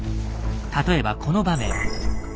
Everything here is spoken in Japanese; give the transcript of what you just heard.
例えばこの場面。